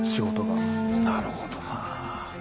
なるほどなあ。